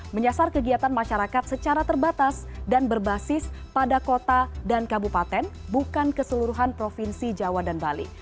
menyasar kegiatan masyarakat secara terbatas dan berbasis pada kota dan kabupaten bukan keseluruhan provinsi jawa dan bali